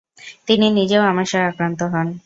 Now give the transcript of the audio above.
তিনি নিজেও আমাশয়ে আক্রান্ত হন।